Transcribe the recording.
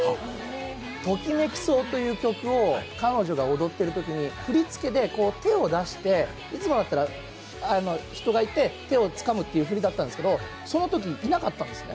「ときめきそう」という曲を彼女が踊ってるときに、振り付けで手を出して、いつもだったら人がいて手をつかむって振りだったんですけどそのとき、いなかったんですね。